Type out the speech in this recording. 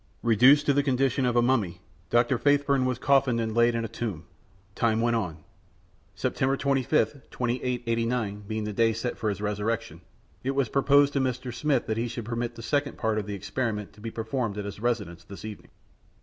Reduced to the condition of a mummy, Dr. Faithburn was coffined and laid in a tomb. Time went on. September 25th, 2889, being the day set for his resurrection, it was proposed to Mr. Smith that he should permit the second part of the experiment to be performed at his residence this evening.